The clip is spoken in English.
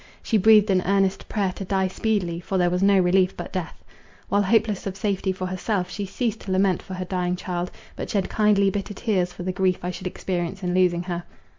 She breathed an earnest prayer to die speedily, for there was no relief but death. While hopeless of safety for herself, she ceased to lament for her dying child, but shed kindly, bitter tears for the grief I should experience in losing her.